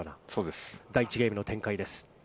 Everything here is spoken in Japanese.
第１ゲームの展開です。